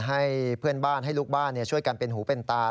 ให้เพื่อนบ้านให้ลูกบ้านช่วยกันเป็นหูเป็นตา